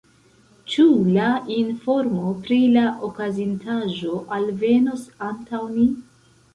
Ĉu la informo pri la okazintaĵo alvenos antaŭ ni?